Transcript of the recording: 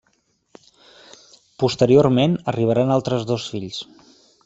Posteriorment arribaran altres dos fills: